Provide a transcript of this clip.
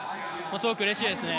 すごくうれしいですね。